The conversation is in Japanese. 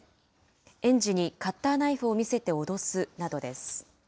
園児にカッターナイフを見せて脅すなどです。